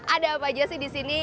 ada apa aja sih di sini